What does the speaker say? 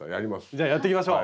じゃあやっていきましょう！